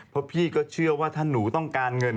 เพราะพี่ก็เชื่อว่าถ้าหนูต้องการเงิน